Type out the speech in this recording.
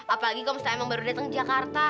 apalagi kamu setahun baru datang jakarta